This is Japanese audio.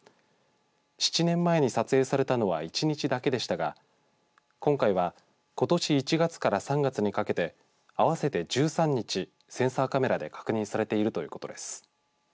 ７年前に撮影されたのは１日だけでしたが今回はことし１月から３月にかけて、合わせて１３日、センサーカメラで確認されているということです。